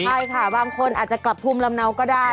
ใช่ค่ะบางคนอาจจะกลับภูมิลำเนาก็ได้